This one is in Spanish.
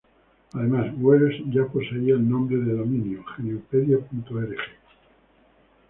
Además, Wales ya poseía el nombre de dominio gnupedia.org.